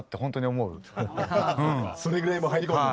それぐらいもう入り込んで。